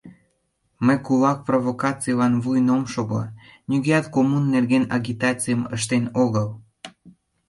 — Мый кулак провокацийлан вуйын ом шого, нигӧат коммун нерген агитацийым ыштен огыл.